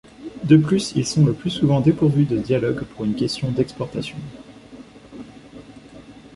De plus, ils sont le plus souvent dépourvus de dialogues pour une question d'exportation.